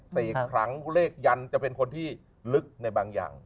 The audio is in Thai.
เสียงครั้งเลขยันจะเป็นคนที่ลึกในบางอย่าง